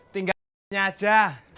tinggar nya aja